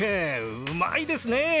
うまいですね。